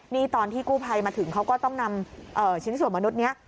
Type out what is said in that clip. นี่ตอนที่กู้ภัยมาถึงเขาก็ต้องนำชิ้นส่วนมนุษย์นี้